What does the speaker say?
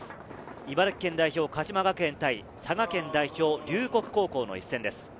茨城県代表・鹿島学園対佐賀県代表・龍谷高校の一戦です。